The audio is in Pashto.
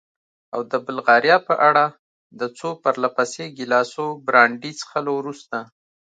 او د بلغاریا په اړه؟ د څو پرله پسې ګیلاسو برانډي څښلو وروسته.